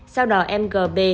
sau đó em đã truyền đến quý vị